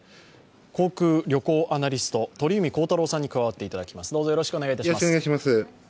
航空・旅行アナリスト、鳥海高太朗さんに加わっていただきます。